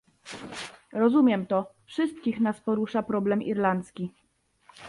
Rozumiem to, wszystkich nas porusza problem irlandzki